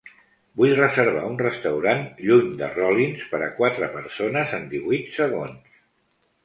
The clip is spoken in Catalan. Vull reservar un restaurant lluny de Rollins per a quatre persones en divuit segons.